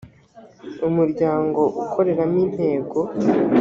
umuryango ukoreramo intego